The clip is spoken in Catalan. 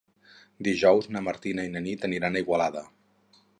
Dijous na Martina i na Nit aniran a Igualada.